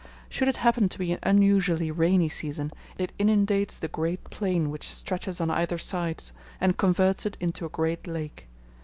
Should it happen to be an unusually rainy season, it inundates the great plain which stretches on either side, and converts it into a great lake.